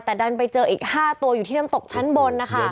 แต่ดันไปเจออีก๕ตัวอยู่ที่น้ำตกชั้นบนนะคะ